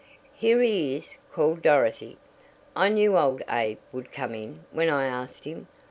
"Here he is!" called Dorothy. "I knew old Abe would come in when I asked him.